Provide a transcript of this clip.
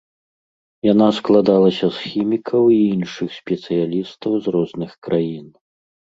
Яна складалася з хімікаў і іншых спецыялістаў з розных краін.